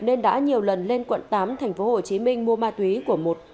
nên đã nhiều lần lên quận tám tp hcm mua ma túy của một